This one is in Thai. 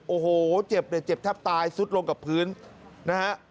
โอ้โหเจ็บเจ็บทับตายซุดลงกับพื้นนะฮะ